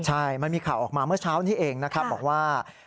ใช่มันมีข่าวออกมาเมื่อเช้านี้เองนะครับบอกว่า